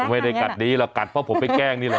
ไม่ได้กัดดีหรอกกัดเพราะผมไปแกล้งนี่แหละ